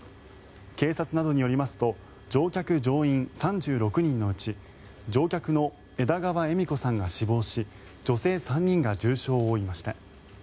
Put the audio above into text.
警察などによりますと乗客・乗員３６人のうち乗客の枝川恵美子さんが死亡し女性３人が重傷を負いました。